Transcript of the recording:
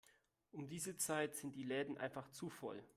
Um diese Zeit sind die Läden einfach zu voll.